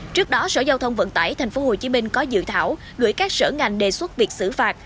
trước đó sở giao thông vận tải tp hcm có dự thảo gửi các sở ngành đề xuất việc xử phạt